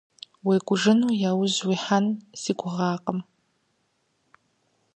УекӀужыну яужь уихьэн си гугъэкъым.